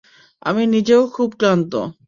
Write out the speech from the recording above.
আমি নিজেও খুব ক্লান্ত।